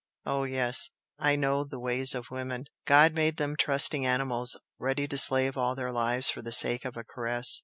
Oh, yes, I know the ways of women! God made them trusting animals, ready to slave all their lives for the sake of a caress.